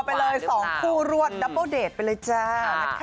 เปิดตัวไปเลยสองคู่รวดดับเปิ้ลเดทไปเลยจ้า